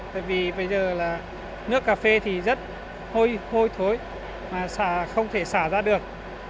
tại vì bây giờ là nước cà phê thì rất hôi thối mà không thể xả ra được